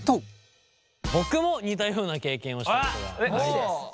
僕も似たような経験をしたことがあります。